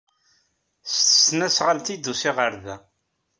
S tesnasɣalt ay d-usiɣ ɣer da.